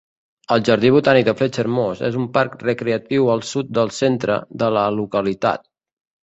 El jardí botànic de Fletcher Moss és un parc recreatiu al sud del centre de la localitat.